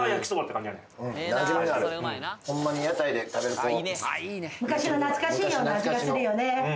うまいな昔の懐かしいような味がするよね